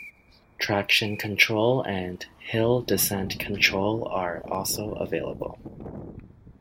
Traction control and hill-descent control are also available.